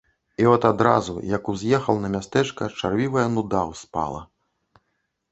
І от адразу, як уз'ехаў на мястэчка, чарвівая нуда ўспала.